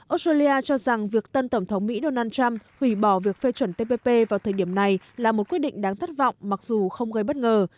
australia cho rằng việc tân tổng thống mỹ donald trump hủy bỏ việc phê chuẩn tpp vào thời điểm này là một quyết định đáng thất vọng mặc dù không gây bất ngờ